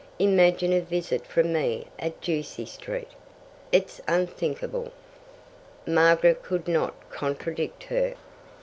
Imagine a visit from me at Ducie Street! It's unthinkable." Margaret could not contradict her.